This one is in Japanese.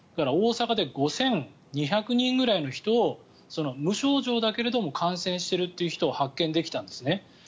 大阪で５２００人ぐらいの人を無症状だけども感染しているという人を発見できたんですね。